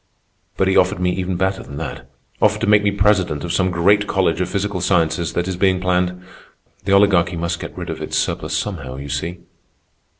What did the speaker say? But he offered me even better than that—offered to make me president of some great college of physical sciences that is being planned—the Oligarchy must get rid of its surplus somehow, you see.